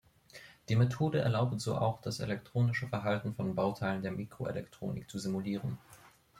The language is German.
Die Methode erlaubt so auch das elektronische Verhalten von Bauteilen der Mikroelektronik zu simulieren.